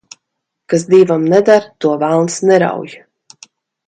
Kas dievam neder, to velns nerauj.